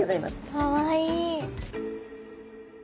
かわいい。